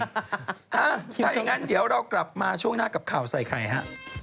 ถ้าอย่างนั้นเดี๋ยวเรากลับมาช่วงหน้ากับข่าวใส่ไข่ฮะ